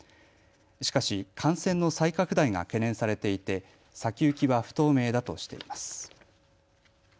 しかし感染の再拡大が懸念されていて先行きは不透明だとしています。